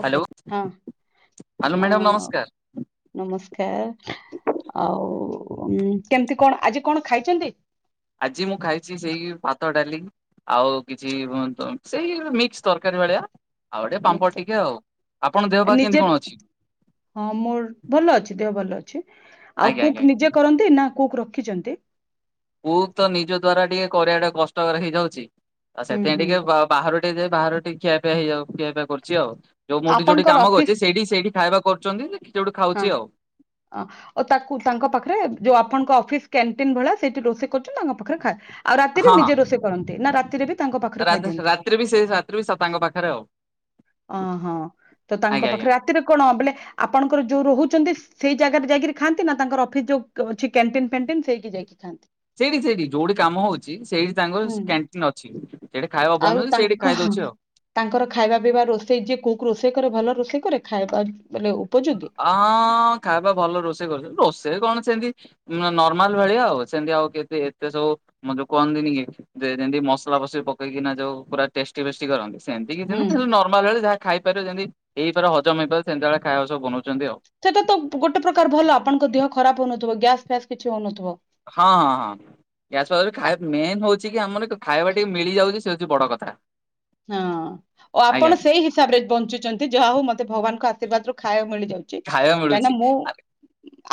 Okay hello hello madam ହଁ-ଅ- ନମସ୍କାର ନମସ୍କାର୍ ଆଉ କେମିତି କଣ ଆଜି କଣ ଖାଇଚନ୍ତି? ଆଜି ମୁଁ ଖାଇଚି ସେଇ ଭାତ ଡାଲି ଆଉ କିଛି ହୁଅନ୍ତୁ ସେଇ ମିକ୍ସ୍ ତରକାରୀ ଭଳିଆ ଆଉ ଟିକେ ପାମ୍ପଡ ମିକ୍ସ ଟିକେ ଆଉ- ଆପଣଙ୍କ ଦେହ ପା ନିଜେ କେମିତି କଣ ଅଛି? ହଁ ମୋର ଭଲ ଅଛି ଦେହ ଭଲ ଅଛି -ଆଉ ଆଜ୍ଞା କୁକ୍ ଆଜ୍ଞା ନିଜେ କରନ୍ତ୍ ନ୍ତି ନା କୁକ୍ ରଖିଚନ୍ତି? କୁକ୍ ତ ନିଜ ଦ୍ଵାରା ଟିକେ କରିବା ଟା କଷ୍ଟକର ହେଇଯାଉଚି ଆଉ ହୁଁ ସେଥିପାଇଁ ହୁଁ ଟିକେ‌ ବା ବାହାରୁ ଟିକେ ଯାଇ ବାହର ଟିକେ ଖିଆ ପିଆ ହେଇଯାଉ -ଖିଆପିଆ କରୁଚି ଆଉ। ଯଉ ମୁଁ ଯଉଠି ଆପଣଙ୍କର କାମ ଅଫିସ୍ କରୁଚି ସେଇଠି- ସେଇଠି ଖାଇବା କରୁଚନ୍ତି ଯେ ସେଇଠି ଖାଉଚି ଆଉ। ଆ- ଓ ତାକୁ ତାଙ୍କ ପାଖେରେ ଯଉ ଆପଣଙ୍କ ଅଫିସ୍ କ୍ୟାଣ୍ଟିନ୍ ଭଳିଆ ସେଇଠି ରୋଷେଇ କରୁଚନ୍ତି ତାଙ୍କ ପାଖରେ ଖାଏ ଆଉ ରାତିରେ ନିଜେ ରୋଷେଇ କରନ୍ତି ନା ରାତିରେ ବି ତାଙ୍କ ପାଖରେ ରାଜେଶ ଖାଇଦିଅନ୍ତି ରାତିରେ ବି ସେଇ ରାତିରେ ବି ତାଙ୍କ ପାଖରେ ଆଉ। ଅ-ହଁ ତ ତାଙ୍କ ଆଜ୍ଞା ଆଜ୍ଞା। ପାଖେରେ ରାତିରେ କଣ ବଲେ ଆପଣଙ୍କର ଯଉ ରହୁଚନ୍ତି ସେଇ ଜାଗାରେ ଯାଇକିରି ଖାଆନ୍ତି ନା ତାଙ୍କର ଅଫିସ୍ ଯଉ ଅଛି କ୍ୟାଣ୍ଟିନ୍ ଫ୍ୟାଣ୍ଟିନ୍ ସେଇଠି ଯାଇକି ଖାଆନ୍ତି। ସେଇଠି ସେଇଠି ଯଉଠି କାମ ହଉଚି ସେଇଠି ତାଙ୍କର ହୁଁ କ୍ୟାଣ୍ଟିନ୍ ଅଛି। ସେଇଠେ ଖାଇବା ଆଉ ବନାହଉଚି ସେଇଠେ ତାଙ୍କ ଖାଇ ଦଉଚି ଆଉ। ତାଙ୍କର ଖାଇବା ପିଇବା ରୋଷେଇ ଯିଏ କୁକ୍ ରୋଷେଇ କରେ ଭଲ ରୋଷେଇ କରେ ଖାଇବା ବଲେ ଉପଯୋଗୀ? ହଁ ଖାଇବା ଭଲ ରୋଷେଇ କରୁଚନ୍ତି ରୋଷେଇ କଣ ସେମତି ନ-ନର୍ମାଲ୍ ଭଳିଆ ଆଉ ସେମିତି ଆଉ କେତେ ଏତେ ସବୁ ମ-ଯଉ କୁହନ୍ତିନି କି ଯେ ଯେମିତି ମସଲା ଫସଲି ପକେଇକିନା ଯଉ ପୁରା ଟେଷ୍ଟି ଫେଷ୍ଟି କରନ୍ତି ସେମିତି କିଛି ହୁଁ ନାହିଁ ନର୍ମାଲ୍ ଭଳି ଯାହା ଖାଇପାରିବ ଯେମିତି ହେଇପାରେ ହଜମ୍ ହେଇପାରେ ସେମତି ଭଳିଆ ଖାଇବା ସବୁ ବନଉଚନ୍ତି ଆଉ। ସେଇଟା ତ ଗୋଟେ ପ୍ରକାର ଭଲ ଆପଣଙ୍କ ଦେହ ଖରାପ ହଉନଥିବ ଗ୍ୟାସ୍ ଫ୍ୟାସ୍ କିଛି ହଉନଥିବ। ହଁ- ହଁ। ଗ୍ୟାସ୍ [unintelligible] ମେନ୍ ହଉଚି କି ଆମର ଖାଇବା ଟିକେ ମିଳିଯାଉଚି ସେ ହଉଚି ବଡ କଥା। ହଁ। ଓ ଆଜ୍ଞା ଆପଣ ସେଇ ହିସାବରେ ବଞ୍ଚୁଚନ୍ତି ଯାହା ହଉ ମତେ ଭଗବାନଙ୍କ ଆଶୀର୍ବାଦ ରୁ ଖାଇବାକୁ ମିଳିଯାଉଚି। ଖାଇବା ମିଳୁଚି ଆ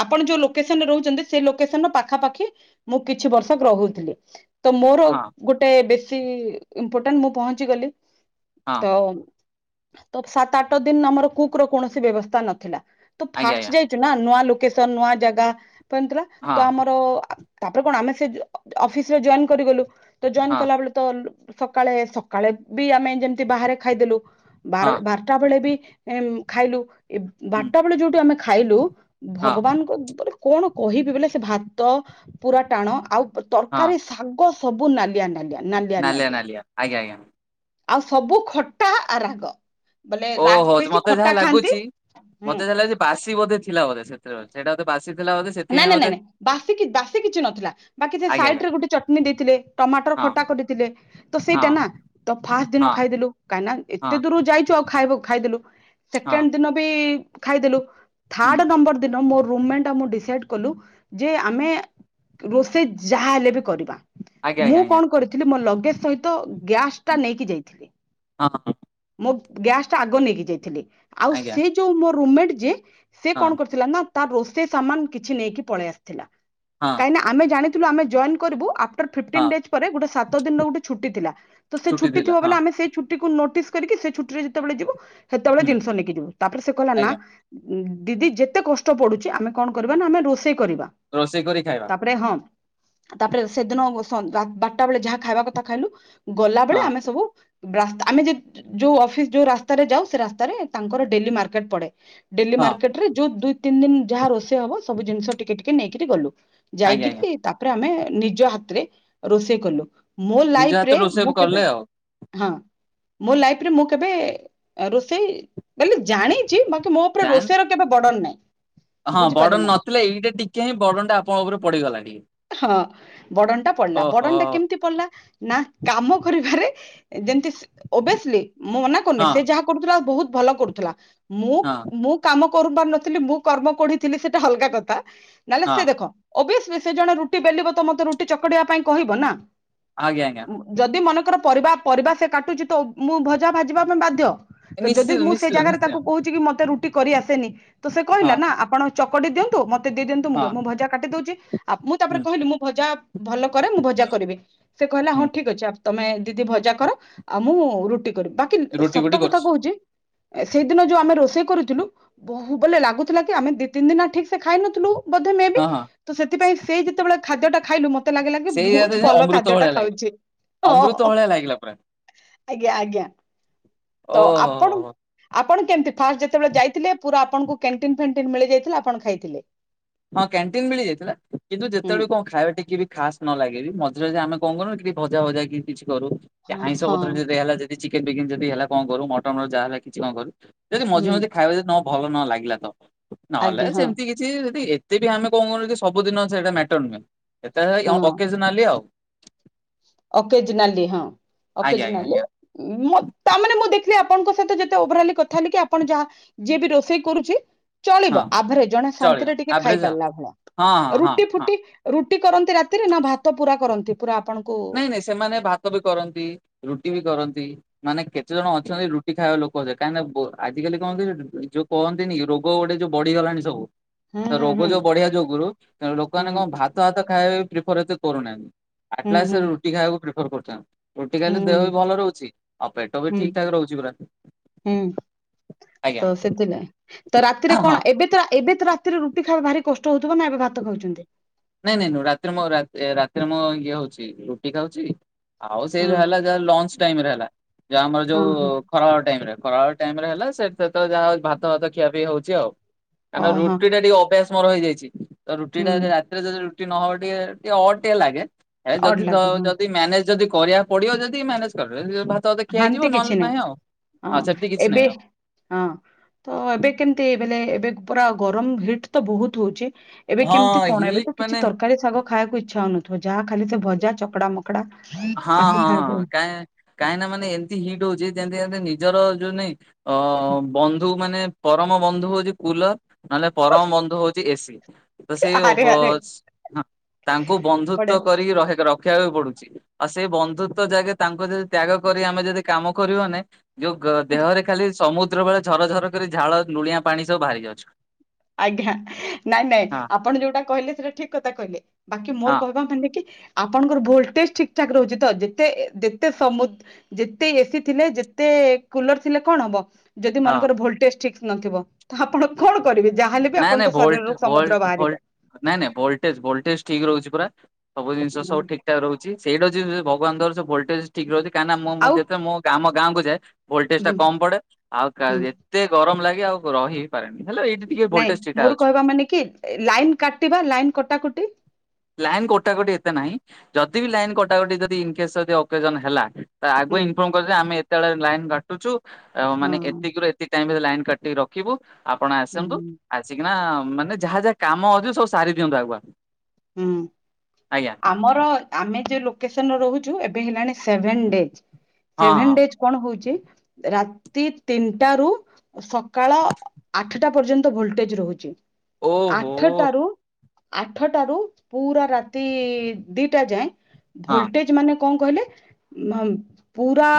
ଆପଣ ଯଉ ଲୋକେସନ୍ ରେ ରହୁଚନ୍ତି ସେ ଲୋକେସନ୍ ର ପାଖାପାଖି ମୁଁ କିଛି ବର୍ଷ ରହୁଥିଲି। ତ ମୋର ହଁ ଗୋଟେ ବେଶୀ ଇମ୍ପୋର୍ଟାଣ୍ଟ୍ ମୁଁ ପହଞ୍ଚି ଗଲି ହଁ। ତ ତ ସାତ ଆଠ ଦିନ୍ ଆମର କୁକ୍ ର କୌଣସି ବ୍ୟବସ୍ଥା ନଥିଲା ତ ଆଜ୍ଞା ଫାଷ୍ଟ୍ ଆଜ୍ଞା ଯାଇ ଚିନା ନୂଆ ଲୋକେସନ୍ ନୂଆ ଜାଗା ତ ଏମିତି ଥିଲା ହଁ ତ ଆମର ଆ ତାପରେ କଣ ଆମେ ସେ ଅଫିସରେ ଜଏନ୍ କରିଗଲୁ ତ ଜଏନ୍ ହଁ। କଲା ବେଳେ ତଲୋ ସକାଳେ ସକାଳେ ବି ଆମେ ଯେମିତି ବାହାରେ ଖାଇଦେଲୁ ହଁ ବାର ବାରଟା ବେଳେ ବି ଏମ ଖାଇଲୁ ଏ ହୁଁ ବାରଟା ବେଳେ ଯୋଉଠୁ ଆମେ ଖାଇଲୁ ହଁ ଭଗବାନଙ୍କ କଣ କହିବି ବୋଇଲେ ସେ ଭାତ ପୁରା ଟାଣ ଆଉ ହଁ ତରକାରୀ ଶ୍ ଶାଗ ସବୁ ନାଲିଆ ନାଲିଆ। ନାଲିଆ ନାଲିଆ ଆଜ୍ଞା ଆଜ୍ଞା। ଆଉ ସବୁ ଖଟା ଆଉ ରାଗ। ବୋଲେ ରା ଓହୋଃ ବେଶୀ ମୋତେ ଖଟା ଯାହା ଖାଆନ୍ତି ଲାଗୁଛି ହୁଁ ମତେ ଯାହା ଲାଗୁଛି ବାସି ବୋଧେ ଥିଲା ବୋଧେ ସେ ସେଇଟା ବୋଧେ ବାସିଥିଲା ବୋଧେ ନାଇଁ ସେଥିପାଇଁ ନାଇଁ ବୋଧେ ନାଇଁ ବାସି କି ବାସି କିଛି ନଥିଲା ବାକି ସେ ଆଜ୍ଞା ଆଜ୍ଞା ସାଇଡ଼ରେ ଗୋଟେ ଚଟଣି ଦେଇଥିଲେ ଟମାଟର ହଁ ଖଟା କଡିଥିଲେ ତ ହଁ ସେଇଟା ନା ତ ଫାଷ୍ଟ ଦିନ ହଁ ଖାଇଦେଲୁ କାହିଁକି ନା ହଁ ଏତେ ଦୂରରୁ ଯାଇଛୁ ଆଉ ଖାଇବ ଖାଇଦେଲୁ ହଁ ସେକେଣ୍ଡ ଦିନ ବି ଖାଇଦେଲୁ ହୁଁ ଥାର୍ଡ ନମ୍ବର ଦିନ ମୋର ରୁମ୍ ମେଟ୍ ଆଉ ମୁଁ ଡି ଡିସାଇଡ଼୍ କଲୁ ଯେ ଆମେ ହୁଁ ରୋଷେଇ ଯାହା ହେଲେ ବି କରିବା। ଆଜ୍ଞା ଆଜ୍ଞା ମୁଁ ଆଜ୍ଞା କଣ କରିଥିଲି ମୋ ଲଗେଜ ସହିତ ଗ୍ୟାସ ଟା ହୁଁ, ନେଇକି ଯାଇଥିଲି ହଁ। ମୋ ଗ୍ୟାସ ଟା ଆଗ ନେଇକି ଯାଇଥିଲି ଆଉ ଆଜ୍ଞା ସେ ଯୋଉ ମୋ ରୋମେଟ ଯିଏ ସେ ହଁ କଣ କରିଥିଲା ନା ତା ରୋଷେଇ ସାମାନ କିଛି ନେଇକି ପଳେଇ ଆସିଥିଲା ହଁ। ନାଁ ଆମେ ଜାଣିଥିଲୁ ଆମେ ଜଏନ୍ କରିବୁ ଆ ଆଫ୍ଟର୍ ହଁ ଫିଫ୍ଟିନ୍ ଡେଜ୍ ପରେ ଗୋଟେ ସାତ ଦିନର ଗୋଟେ ଛୁଟି ଥିଲା ତ ସେ ଛୁଟି ଥିଲା ହଁ ଥିବାବେଳେ ଆମେ ସେ ଛୁଟିକୁ ନୋଟିସ୍ କରିକି ସେ ଛୁଟିରେ ଯେତେବେଳେ ଯିବୁ ସେତେବେଳେ ହୁଁ ଜିନିଷ ନେଇକି ଯିବୁ ତାପରେ ସେ କହିଲ ନା ଆଜ୍ଞା ଦିଦି ଯେତେ କଷ୍ଟ ପଡ଼ୁଛି ଆମେ କଣ କରିବା ନା ଆମେ ରୋଷେଇ କରିବା ରୋଷେଇ କରି ଖାଇବା। ତାପରେ ହଁ ତାପରେ ସେଦିନ ଶ୍ ବା ବାରଟା ବେଳେ ଯାହା ଖାଇବା କଥା ଖାଇଲୁ ହଁ ଗଲାବେଳେ ଆମେ ସବୁ ରାସ୍ତା ଆମେ ଜିତ୍ ଯୋଉ ଅଫିସ ଯୋଉ ରାସ୍ତାରେ ଯାଉ ସେ ରାସ୍ତାରେ ତାଙ୍କର ଡେଲି ମାର୍କେଟ ପଡ଼େ। ଡେଲି ହଁ ମାର୍କେଟ ରେ ଯୋଉ ଦୁଇ ତିନି ଦିନ ଯାହା ରୋଷେଇ ହବ ସବୁ ଜିନିଷ ଟିକେ ଟିକେ ନେଇକିରି ଗଲୁ। ଆଜ୍ଞା ଆଜ୍ଞା ଯାଇକିରି ତାପରେ ଆମେ ନିଜ ହାତରେ ରୋଷେଇ କଲୁ। ମୋ ନିଜ ଲାଇଫ ହାତରେ ରେ ରୋଷେଇ ମୁଁ କଲେ କେବେ ଆଉ ହଁ ମୋ ଲାଇଫ ରେ ମୁଁ କେବେ ଏ ରୋଷେଇ ବୋଲି ଜାଣିଛି ଚି ବାକି ମୋ ଉପରେ ଜାଣି ରୋଷେଇ ର କେବେ ବର୍ଡ଼ନ୍ ନାହିଁ। ହଁ ବୁଝିପାରିଲେ ନା ବର୍ଡ଼ନ୍ ନଥିଲା ଏଇଟା ଟିକେ ହିଁ ବର୍ଡ଼ନ୍ ଟା ଆପଣଙ୍କ ଉପରେ ପଡ଼ିଗଲା ଟିକେ। ହଁ ବର୍ଡ଼ନ୍ ଟା ପଡିଲା ଓହୋ ବର୍ଡ଼ନ୍ ଟା କେମିତି ପଡିଲା? ନା କାମ କରିବାରେ ଯେମିତି ଅଭିଅସଲି ମୁଁ ମନା କରୁନି ହଁ ସେ ଯାହା କରୁଥିଲା ବହୁତ ଭଲ କରୁଥିଲା ମୁଁ ହଁ ମୁଁ କାମ କରୁ ପାର ନଥିଲି ମୁଁ କର୍ମ କୋଢିଥିଲି ସେଟା ଅଲଗା କଥା ନହେଲେ ହଁ ସେ ଦେଖ ଓବିଏଶ୍ ସେ ଜଣେ ରୁଟି ବେଲିବ ତ ମୋତେ ରୁଟି ଚକଡି଼ବା ପାଇଁ କହିବ ନା ଆଜ୍ଞ ଆଜ୍ଞା। ଯଦି ମନେକର ପରିବା ପରିବା ସେ କାଟୁଛି ତ ମୁଁ ଭଜା ଭାଜିବା ପାଇଁ ବାଧ୍ୟ। ତ ଯଦି ନିଶ୍ଚିତ ମୁଁ ସେ ନିଶ୍ଚିତ ଜାଗାରେ ନିଶ୍ଚୟ ତାକୁ କହୁ ଚିକି ମତେ ରୁଟି କରି ଆସେନି ତ ସେ ହଁ କହିଲା ନା ଆପଣ ଚକଟି ଦିଅନ୍ତୁ ମତେ ମତେ ଦେଇ ଦିଅନ୍ତୁ ମୁଁ ହଁ କରିବି ମୁଁ ଭଜା କାଟି ଦଉଛି ଆପ ମୁଁ ତାପରେ ହୁଁ କହିଲି ମୁଁ ଭଜା ଭଲ କରେ ମୁଁ ଭଜା କରିବି। ସେ କହିଲା ହଁ ହୁଁ ଠିକ ଅଛି ଅପ୍ ତମେ ଦିଦି ଭଜା କର ଆଉ ମୁଁ ରୁଟି କରିବି ବା କିନ୍ ରୁଟି ଫୁଟି ସତ କଥା କରୁଛି କହୁଛି ଆ ସେଇଦିନ ଯୋଉ ଆମେ ରୋଷେଇ କରୁଥିଲୁ ଦେହୁଁ ଦେଲେ ଲାଗୁଥିଲା କି ଆମେ ଦି ତିିନ ଦିନ ଠିକ୍ ସେ ଖାଇ ନଥିଲୁ ବୋଧେ ମେ ବି ହଁ, ହଁ। ତ ସେଥିପାଇଁ ସେଇ ଯେତେବେଳେ ଖାଦ୍ୟଟା ଖାଇଲୁ ମୋ ତେ ଲାଗିଲା କି ସେଇଆ ତ ଭଉତୁ ଯେମିତି ଭଲ ଅମୃତ ଖାଦ୍ୟ ଟା ଭଳିଆ ଲାଗିଲା ଖାଉଛି ଅମୃତ ହଁ। ଭଳିଆ ଲାଗିଲା ପୁରା ଆଜ୍ଞା ଆଜ୍ଞା ତ ଓହୋ ହୋ ଆପଣ ହୋ। ଆପଣ କେମିତି ଫାଷ୍ଟ ଯେତେବେଳେ ଯାଇଥିଲେ ପୁରା ଆପଣଙ୍କୁ କ୍ୟାଣ୍ଟିନ ଫ୍ୟାଣ୍ଟିନ୍ ମିଳିଯାଇଥିଲା ଆପଣ ଖାଇଥିଲେ? ହଁ କ୍ୟାଣ୍ଟିନ୍ ମିଳି ଯାଇଥିଲା, କିନ୍ତୁ ହୁଁ ଯେତେବେଳେ ବି କଣ ଖାଇବା ଟିକେ ବି ଖାସ୍ ନ ଲାଗେ ବି ମଝିରେ ଯେ ଆମେ କଣ କରୁନୁ କି ଭଜା ଭଜା କି କିଛି କରୁ ଏ ହଁ ଆଇଁଷ ହଁ ପତ୍ର ଯଦି ହେଲା ଯେ ଏ ଚିକେନ୍ ଫିକେନ୍ ଯଦି ହେଲା କଣ କରୁ ମଟନ୍ ର ଯାହା ହେଲା କିଛି କଣ କରୁ ଯଦି ମଝି ହୁଁ ମଝି ଖାଇବା ଯଦି ନ ଭଲ ନ ଲାଗିଲା ତ ନହେଲେ ଆଜ୍ଞା ହଁ ସେମିତି କିଛି ଯଦି ଏ ତେ ବି ଆମେ କଣ କରୁ ଯେ ସବୁଦିନ ସେଟା ମେଟର୍ ନୁହେଁ। ଯେତେଳେ ହେଇ ହଁ ଓକେଜନାଲି ଆଉ। ଓକେଜନାଲି ହଁ ଆଜ୍ଞା ଆଜ୍ଞା ଓକେଜନାଲି ଆଜ୍ଞା ମୋ ତାମାନେ ମୁଁ ଦେଖିଲି ଆପଣଙ୍କ ସହିତ ଯେତେ ଓଭରାଲି କଥା ହେଲି କି ଆପଣ ଯାହା ଯିଏ ବି ରୋଷେଇ କରୁଛି ଚଳିବ ହଁ ଆଭରେଜ୍ ଜଣେ ଚଳିବ ଶାନ୍ତିରେ ଟିକେ ଆଭରେଜ ଖାଇ ଆଉ ପାରିଲା ଭଲ ହଁ ହଁ ଏ ହଁ ରୁଟି ହଁ ଫୁଟି ରୁଟି କରନ୍ତି ରାତିରେ ନା ଭାତ ପୁରା କରନ୍ତି? ପୁରା ଆପଣ ନାଇଁ ନାଇଁ ସେମାନେ ଭାତ ବି କରନ୍ତି, ରୁଟି ବି କରନ୍ତି, ମାନେ କେତେ ଜଣ ଅଛନ୍ତି ରୁ ଟି ଖାଇବା ଲୋକେ ସେ, କାହିଁକି ବ-ଆଜିିକାଲି କହନ୍ତି ଯୋଉ କହନ୍ତିନି କି ରୋଗ ଗୋଟେ ଯୋଉ ବଢିଗଲାଣି ସବୁ। ହୁଁ ତ ହୁଁ ରୋଗ ଯୋଉ ହୁଁ ବଢିଆ ଯୋଗୁରୁ ତେଣୁ ଲୋକମାନେ କଣ ଭାତ ଆତ ଖାଇବା ପ୍ରିଫର୍ ଏତେ କରୁନାହାଁନ୍ତି। ହୁଁ ନା ହୁଁ ସେ ରୁଟି ଖାଇବାକୁ ପ୍ରିଫର୍ କରିଥାଆନ୍ତି। ରୁଟି ହୁଁ ଖାଇଲେ ଦେହ ହୁଁ ବି ଭଲ ରହୁଛି, ଆଉ ପେଟ ବି ହୁଁ ଠିକ ଠାକ ରହୁଛି ପୁରା। ହୁଁ ଆଜ୍ଞା ତ ସେଥିପାଇଁ ତ ରାତିରେ ହଁ। କଣ ଏବେ ତ ଏବେ ତ ରାତିରେ ରୁ ଟି ଖାଇବା ଭାରି କଷ୍ଟ ହଉଥିବ ନା ଏବେ ଭାତ ଖାଉଛନ୍ତି? ନାଇଁ ନାଇଁ ନୁଅ ରାତିରେ ମୁଁ ଆଉ ରା-ଏ ରାତିରେ ମୁଁ ଇଏ ହଉଛି ରୁଟି ଖାଉଛି। ଆଉ ସେଇ ହଁ ହେଲା ଯାହା ଲଞ୍ଚ ଟାଇମ୍ ରେ ହେଲା ଯାହା ଆମର ହଁ ଯୋଉ ହଁ ଖରାବେଳ ଟାଇମ୍ ରେ ଖରାବେଳ ଟାଇମ୍ ରେ ହେଲା ସେ ସେତେଳେ ଯାହା ଭାତ ଭାତ ଖିଆ ପିଆ ହଉଛି ଆଉ। କାଇଁନା ଓହୋ ରୁଟି ଟା ଟିକେ ଅଭ୍ୟାସ ମୋର ହେଇଯାଇଛି, ତ ରୁଟି ଟା ହୁଁ ଯେ ରା ତିରେ ଯଦି ରୁଟି ନହବ ଟିକେ ଟିକେ ଅଡ୍ ଟିକେ ଲାଗେ, ଏ ଅଡ୍ ଯଦି ଲାଗେ ହଁ ଧ-ଯଦି ମ୍ୟାନେଜ୍ ଯଦି କରିବା ପଡିବ ଯଦି ମ୍ୟାନେଜ୍ କରିଦବା, ଯଦି ଭାତ ଅଧେ ହେମିତି ଖିଆହେଇଯିବ, କିଛି ନହେଲେ ନାହିଁ ଆଉ, ହଁ ସେଟି କିଛି ଏବେ ନାହିଁ ଆଉ। ହଁ ତ ଏବେ କେମିତି ବେଇମଲେ ଏବେ ପୁରା ଗରମ ହିଟ୍ ତ ବହୁତ ହଉଛି। ଏବେ କେମିତି ହଁ କଣ ଏବେ ହିଟ୍ ତ ମାନେ କିଛି ତରକାରୀ ଶାଗ ଖାଇବାକୁ ଇଚ୍ଛା ହଉନଥିବ, ଯାହା ଖାଲି ସେ ଭଜା ଚକଡା ମ କଡା ଆକୁ ଖାଇବାକୁ। କାହିଁକିନା ମାନେ ଏମିତି ହିଟ୍ ହଉଛି ଯେମତି ଯେମତି ନିଜର ଯୋଉ ନାଇଁ ଅ, ବନ୍ଧୁ ମାନେ ପରମ ବନ୍ଧୁ ହଉଛି କୁଲର୍, ନହେଲେ ପରମ ବନ୍ଧୁ ହଉଛି ଏସି। ତ ସେଇ ଆରେ ଆରେ ଅବସ୍ ନା ତାଙ୍କୁ ବନ୍ଧୁତ୍ଵ ପଡେ କରିକି ରହେ ରଖିବାକୁ ପଡୁଛି। ଆଉ ସେଇ ବନ୍ଧୁତ୍ଵ ଯାକେ ତାଙ୍କୁ ଯଦି ତ୍ୟାଗ କରି ଆମେ ଯଦି କାମ କରିବନି। ଯୋଉ ଗ-ଦେହରେ ଖାଲି ସମୁଦ୍ର ବେଳେ ଝର ଝର କରି ଝାଳ ନୁଳିଆ ପାଣି ସବୁ ବାହାରି ଯାଉଛି। ଆଜ୍ଞା ନାଇଁ ନାଇଁ ହଁ ଆପଣ ଯୋଉଟା କହିଲେ ସେଇଟା ଠିକ କଥା କହିଲେ। ବାକି ମୋର ହଁ କହିବା ମାନେ କି ଆପଣଙ୍କର ଭୋଲଟେଜ୍ ଠିକ ଠାକ ରହୁଛି ତ ଯେତେ ଏ ଯେତେ ସମୁଦ ଯେତେ ଏସିି ଥିଲେ ଯେତେ କୁଲର୍ ଥିଲେ କଣ ହବ? ଯଦି ହଁ। ମନେକର ଭୋଲଟେଜ୍ ଠିକ୍ ନଥିବ ତ ଆପଣ କଣ କରିବେ? ଯାହା ହେଲେ ବି ନାଇଁ ନାଇଁ ଆପଣଙ୍କ ଭୋଲ୍ଟ ଶରୀରରୁ ଭୋଲ୍ଟ ସମୁଦ୍ର ବାହାରିବ। ଭୋଲ୍ଟ ନାଇଁ ନାଇଁ ଭୋଲ୍ଟେଜ୍ ଭୋଲ୍ଟେଜ୍ ଠିକ ରହୁଛି ପୁରା। ସବୁ ଜିନିଷ ସବୁ ଠିକ ଠାକ୍ ରହୁଛି, ସେଇଟା ଯେବେ ଭଗବାନଙ୍କର ସେ ଭୋଲ୍ଟେଜ୍ ଠିକ ରହୁଛି କାଇଁନା ମୁଁ ମୁଁ ଆଉ ଯେତେ ମୁଁ କା-ଆମ ଗାଁକୁ ଯାଏ ଭୋଲ୍ଟେଜ୍ ଟା ହୁଁ କମ ପଡେ, ଆଉ କା ହୁଁ ଏତେ ଗରମ ଲାଗି ଆଉ ଗ- ରହିି ପାରେନି, ହେଲା ଏଇଟି ଟିକେ ଭୋଲ ନାଇଁ ମୋର କହିବା ମାନେ କି ଲାଇନ୍ କାଟିବା ଲାଇନ୍ କଟାକଟି ଲାଇନ୍ କୋଟାକୋଟି ଏତେ ନାହିଁ। ଯଦି ବି ଲାଇନ୍ କଟାକଟି ଯଦି ଇନ୍ କେସ୍ ଯଦି ଅକେଜନ୍ ହେଲା ତା ହୁଁ ଆଗୁଆ ଇନଫର୍ମ କରି ଦେବ ଆମେ ଏତେବେଳେ ଲାଇନ୍ କାଟୁଛୁ, ଆଉ ହଁ ମାନେ ଏତିକିରୁ ଏତିକ ଟାଇମ୍ ଲାଇନ୍ କାଟିକି ରଖୁ ରଖିବୁ ଆପଣ ଆସନ୍ତୁ ହୁଁ ଆସିକିନା ମାନେ ଯାହା ଯାହା କାମ ଅଛିି ସବୁ ସାରି ଦିଅନ୍ତୁ ଆଗୁଆ। ହୁଁ ଆଜ୍ଞା ଆମର ଆମେ ଯୋଉ ଲୋକେସନ୍ ରହୁଛୁ ଏବେ ହେଲାଣି ସେଭେନ୍ ଡେଜ୍ ହଁ ସେଭେନ୍ ହଁ ଡେଜ୍ କଣ ହଉଛି ରାତି ତିନିଟା ରୁ ସକାଳ ଆଠଟା ପର୍ଯ୍ୟନ୍ତ ଭୋଲ୍ ଟେଜ୍ ରହୁଛି। ଓହୋ ଆଠଟାରୁ ଆଠ ପୁରା ରାତି ଦିଟା ଯାଏ, ହଁ। ଭୋଲ୍ ଟେଜ୍ ମାନେ କଣ କହିଲେ ପୁରା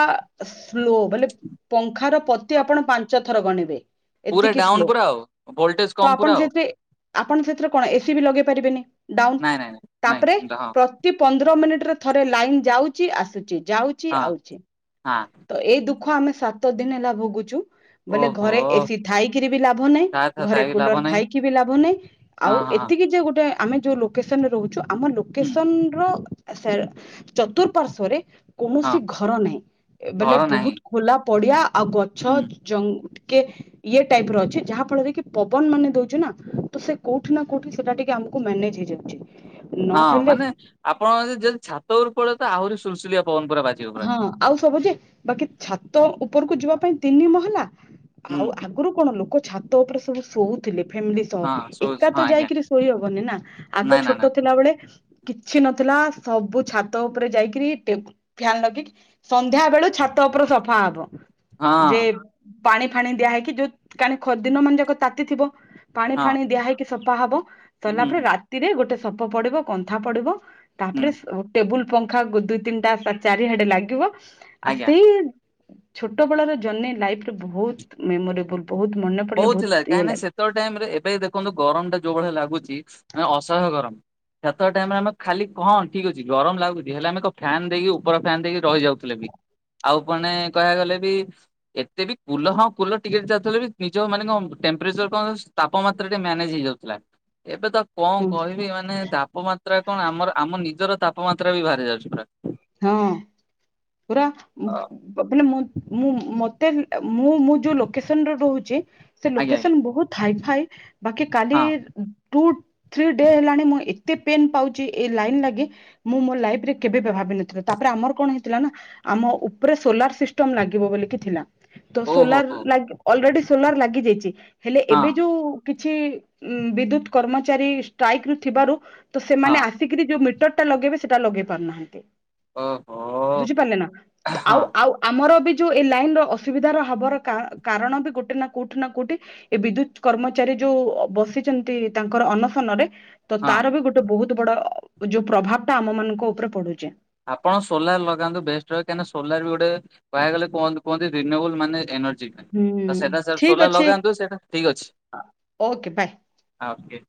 ସ୍ଲୋ ମାନେ ପଙ୍ଖାର ପତି ଆପଣ ପାଞ୍ଚ ଥର ଗଣିବେ ପୁରା ଏତିକି ସ୍ଲୋ ଡାଉନ ପୁରା ଆଉ ଭୋଲଟେଜ ତ କମ ପୁରା ଆପଣ ଆଉ ସେଥିରେ ଆପଣ ସେଥିରେ କଣ ଏସି ବି ଲଗେଇ ପାରିବେନି। ଡାଉନ୍ ନାଇଁ ନାଇଁ ନାଇଁ ତାପରେ ନାଇଁ ହଁ। ପ ପ୍ରତି ପନ୍ଦର ମିନିଟ୍ ରେ ଥରେ ଲାଇନ୍ ଯାଉଛି ଆସୁଛି ଯାଉଛି ହଁ ଆଉଛି ହଁ ତ ଏଇ ଦୁଃଖ ଦୁଃଖ ଆମେ ସାତ ଦିନି ହେଲା ଭୋଗୁଛୁ। ବୋଇଲେ ଘରେ ଓହୋ ଏସି ଥାଇକିରି ବି ଲାଭ ନାହିଁ ତା ଘରେ ଥାଇକି ଲାଭ କୁଲର ନାହିଁ ଥାଇକି ବି ଲାଭ ନାହିଁ। ହଁ ଆଉ ହଁ ଏତିକି ଯେ ଗୋଟେ ଆମେ ଯୋଉ ଲୋକେସନରେ ରହୁଛୁ ଆମ ହୁଁ ଲୋକେସନ ର ଚତୁଃପାର୍ଶ୍ଵରେ ହଁ। କୌଣସି ଘର ନାହିଁ ବୋଇଲେ ଘର ନାହିଁ ବୋହୁତ୍ ଖୋଲା ପଡିଆ ଆଉ ଗଛ ହୁଁ ଜଙ୍ଗ କେ ଇଏ ଟାଇପ୍ ର ଅଛି ଯାହା ଫଳରେ କି ପବନ ମାନେ ଦଉଛି ନା ତ ସେ କୋଉଠି ନା କୋଉଠି ସେଟା ଟିକେ ଆମକୁ କୁ ମ୍ୟାନେଜ୍ ହେଇଯାଉଛି। ହଁ ନହେଲେ ମାନେ ଆପଣ ଯ ଯଦି ଛାତ ଉପରୁ ପଳେଇ ତ ଆହୁରି ସୁଲ୍ ସୁଲିଆ ପବନ ପୁରା ବା ହଁ ଆଉ ସବୁ ଯେ ବାକି ଛାତ ଉପରକୁ ଯିବା ପାଇଁ ତିନି ମହଲା ହୁଁ। ଆଉ ଆଗରୁ କଣ ଲୋକ ଛାତ ଉପରେ ସବୁ ଶୋଉ ଥିଲେ ଫାମିଲି ହଁ ସହ, ଶୋ ଏକା ହଁ ତ ଆଜ୍ଞା ଯାଇକରି ଶୋଇ ହବନି ନା। ଆଗ ନାଇଁ ନା ନା ଛୋଟ ଥିଲାବେଳେ କିଛି ନଥିଲା ସବୁ ଛାତ ଉପରେ ଯାଇକିରି ଟେ ଫ୍ଯାନ୍ ଲଗେଇକି, ସନ୍ଧ୍ୟା ବେଳୁ ଛାତ ଉପର ସଫା ହବ। ଯେ ହଁ ପାଣି ଫାଣି ଦିଆ ହେଇକି, ଯୋଉ କା ଦିନ ମାନେ ଯାକ ତାତି ଥିବ ପାଣି ହଁ ଫାଣି ଦିଆ ହେଇକି ସଫା ହବ। ହୁଁ ସରିଲା ପରେ ହୁଁ ରାତିରେ ଗୋଟେ ସଫ ପଡିବ, କନ୍ଥା ପଡିବ, ହୁଁ ତାପରେ ଟେବୁଲ୍ ପଙ୍ଖା ଦୁଇ ତିନିଟା ଚାରିଆଡେ ଲାଗିବ, ଆଉ ଆଜ୍ଞା। ସେଇ ଛୋଟ ବେଳର ଜର୍ନି ଲାଇଫ୍ ରେ ବୋହୁତ୍ ମେମୋରେବୁଲ୍, ବୋହୁତ୍ ମାନେ ପଡିଲେ ବୋହୁତ୍ ଇଏ ଲାଗେ। ଛୋଟ ଟାଇମ୍ ରେ ଏବେ ଦେଖନ୍ତୁ ଗରମ ଟା ଯୋଉ ଭଳିଆ ଲାଗୁଛି, ମାନେ ଅସହୟ ଗରମ। ସେତେବେଳେ ଟାଇମ୍ ରେ ଆମେ ଖାଲି କଣ ଠିକ୍ ଅଛି ଗରମ ଲାଗୁଛି ହେଲେ ଆମେ ଏକ ଫ୍ୟନ୍ ଦେଇକି ଉପର ଫ୍ୟନ୍ ଦେଇକି ରହିଯାଉଥିଲେ ବି ଆଉ ପଣେ କହିବାକୁ ଗଲେ ବି ଏତେ ବି କୁଲ ହଁ କୁଲ ଟିକେ ଯାଉଥିଲେ ବି ନିଜ ମାନେ କଣ ଟେମ୍ପରେଚର୍ କଣ ତାପମାତ୍ରା ଟେ ମ୍ୟାନେଜ୍ ହେଇଯାଉଥିଲା। ଏବେ ତ କଣ ହଁ କହିବି ମାନେ ତାପମାତ୍ରା କଣ, ଆମର ଆମ ନିଜର ତାପମାତ୍ରା ବି ବାହାରି ଯାଉଛି ପୁରା। ହଁ ପୁରା ମାନେ ମୁଁ ମତେ ମୁଁ ମୁଁ ଯୋଉ ଲୋକସନରେ ରହୁଛି ସେ ଆଜ୍ଞା ଆଜ୍ଞା ଲୋକେସନ ବୋହୁତ୍ ହାଇ ଫାଇ ବାକି କାଲି ଟୁ ଥ୍ରୀ ଡେ ହେଲାଣି ମୁଁ ଏତେ ପେନ୍ ପାଉଛି ଏ ଲାଇନ୍ ଲାଗି ମୁଁ ମୋ ଲାଇଫ୍ ରେ କେବେ ଭାବିନଥିଲି ତାପରେ ଆମର କଣ ହେଇଥିଲା ନା, ଆମ ଉପରେ ସୋଲାର ସିଷ୍ଟମ ଲାଗିବ ବୋଲି କି ଥିଲା। ତ ହଁ ଓହୋ ସୋଲାର ହୋ ଲାଗ ଅଲ୍ ରେଡି ସୋଲାର ଲାଗି ଯାଇଛି। ହେଲେ ହଁ ଏବେ ଯୋଉ କିଛି ଉଁ ବିଦ୍ୟୁତ କର୍ମଚାରୀ ଷ୍ଟ୍ରାଇକ୍ ରୁ ଥିବାରୁ ତ ହଁ ସେମାନେ ଆସି ଟିକିରି ଯୋଉ ମିଟରଟା ଲଗେଇବେ ସେଟା ଲଗେଇ ପାରୁନାହାନ୍ତି। ଓହୋ। ବୁଝିପାରିଲେନା ହଁ ଆଉ ଆଉ ଆମରବି ଯଉ ଏଇ ଲାଇନର ଅସୁବିଧାର ହବର କା କାରଣବି ଗୋଟେନା କୋଉଠି ନା କଉଠି ଏ ବିଦ୍ୟୁତ କର୍ମଚାରୀ ଯୋଉ ବସିଛନ୍ତି ତାଙ୍କର ଅନଶନରେ ତ ହଁ। ତାରବି ଗୋଟେ ବହୁତ୍ ବଡ଼ ଯୋଉ ପ୍ରଭାବଟା ଆମ ମାନଙ୍କ ଉପରେ ପଡ଼ୁଚି। ଆପଣ ସୋଲାର ଲଗାନ୍ତୁ ବେଷ୍ଟ ରହେ କାହିଁିନା ସୋଲାରବି ଗୋଟେ କହିବା ଗଲେ କୁହ କୁୁହନ୍ତି ରିନୁଏବଲ ମାନେ ଏନର୍ଜି। ହୁଁ ତ ସେଇଟା ସୋ ଠିକ ସୋଲର ଅଛି ଲଗାନ୍ତୁ ସେଇଟା ଠିକ୍ ଅଛି। Okay bye. ଓକେ